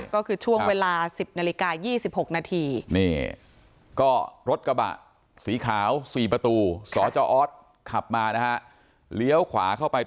ก็คือช่วงเวลาสิบนาฬิกายี่สิบหกนาทีนี่ก็รถกระปะ